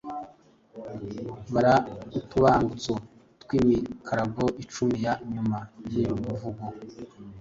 Bara utubangutso tw’imikarago icumi ya nyuma y’uyu muvugo.